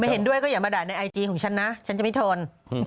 เห็นด้วยก็อย่ามาด่าในไอจีของฉันนะฉันจะไม่ทน